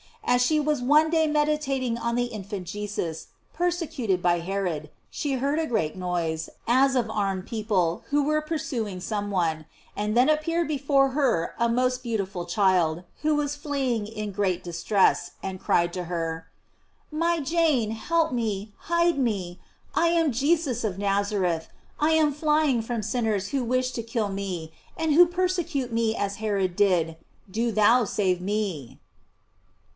As she was one day meditating on the infant Jesus, persecuted by Herod, she heard a great noise, as of armed people, who were pursuing some one; and then appeared before her a most beautiful child, who was fleeing in great distress, and cried to her: "My Jane, help me, hide me; I am Jesus of Nazareth, I am flying from sinners who wish to kill me, and who persecute me as Herod did: do thou save me."